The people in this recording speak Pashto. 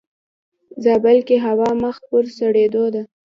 زابل کې هوا مخ پر سړيدو ده.